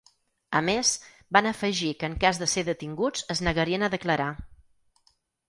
A més, van afegir que en cas de ser detinguts es negarien a declarar.